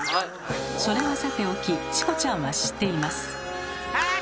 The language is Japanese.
それはさておきチコちゃんは知っています。